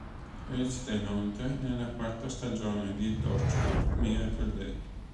Recita inoltre nella quarta stagione di Torchwood: Miracle Day.